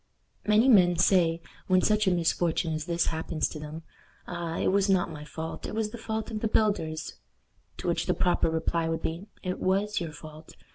Many men say, when such a misfortune as this happens to them, "Ah! it was not my fault. It was the fault of the builders;" to which the proper reply would be, "It was your fault.